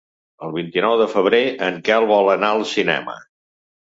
El vint-i-nou de febrer en Quel vol anar al cinema.